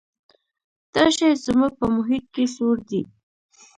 دا شی زموږ په محیط کې سوړ دی.